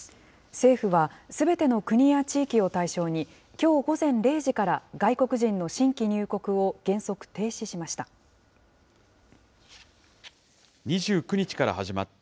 政府はすべての国や地域を対象に、きょう午前０時から外国人の新規入国を原則停止しました。